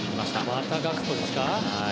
またガクポですか。